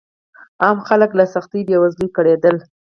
عام خلک له سختې بېوزلۍ کړېدل.